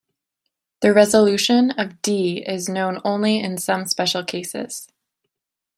The resolution of "D" is known only in some special cases.